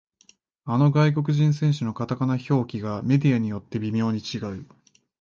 あの外国人選手のカタカナ表記がメディアによって微妙に違う